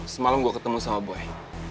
semalam gue ketemu sama buai